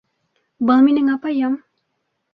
Был минең апайым